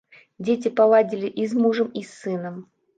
Дзеці паладзілі і з мужам, і з сынам.